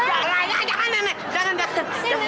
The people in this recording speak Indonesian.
jangan nenek jangan jangan